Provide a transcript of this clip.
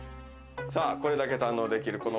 さぁこれだけ堪能できる